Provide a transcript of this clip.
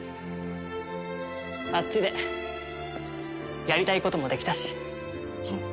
あっちでやりたいこともできたし。